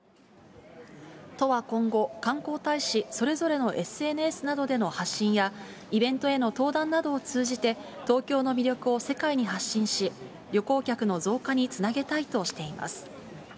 都は今後、観光大使それぞれのＳＮＳなどへの発信や、イベントへの登壇などを通じて、東京の魅力を世界に発信し、旅行客の増加につなげたいとしています。